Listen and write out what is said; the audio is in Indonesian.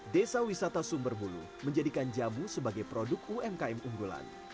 desa wisata sumber bulu menjadikan jamu sebagai produk umkm unggulan